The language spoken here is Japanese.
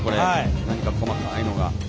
何か、細かいのが。